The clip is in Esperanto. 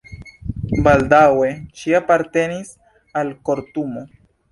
Baldaŭe ŝi apartenis al kortumo.